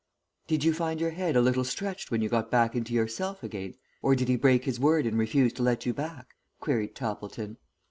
"Did you find your head a little stretched when you got back into yourself again, or did he break his word and refuse to let you back?" queried Toppleton.